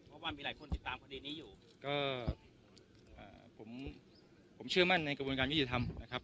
เพราะว่ามีหลายคนติดตามคดีนี้อยู่ก็ผมผมเชื่อมั่นในกระบวนการยุติธรรมนะครับ